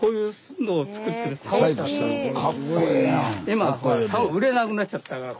今さお売れなくなっちゃったから。